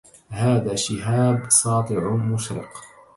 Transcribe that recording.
هذا شِهابٌ ساطِعٌ مُشرِقٌ